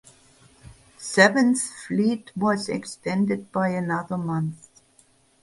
Seventh Fleet was extended by another month.